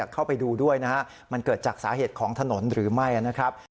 เข้าไปดูด้วยนะฮะมันเกิดจากสาเหตุของถนนหรือไม่นะครับ